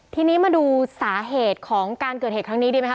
ทีนี้มาดูสาเหตุของการเกิดเหตุครั้งนี้ดีไหมค